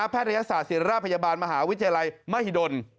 แพทยศาสตร์เสรียราชพยาบาลมหาวิทยาลัยมหิดล